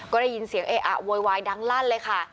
ก็ได้ยินเสียงเออะโวยวายดังลั่นเลยค่ะ